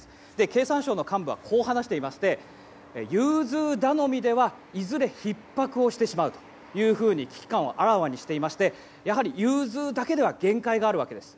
経産省の幹部はこう話していまして融通頼みでは、いずれひっ迫をしてしまうと危機感をあらわにしていましてやはり融通だけでは限界があるわけです。